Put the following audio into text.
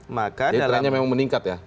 jadi rentanya memang meningkat ya